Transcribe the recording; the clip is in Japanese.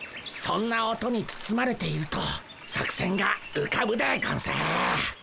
そんな音につつまれていると作戦がうかぶでゴンス。